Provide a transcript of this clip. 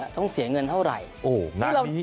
ต้องเสียเงินเท่าไหร่งานนี้